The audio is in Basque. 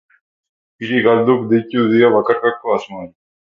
Hiri galduak deitu dio bakarkako asmoari.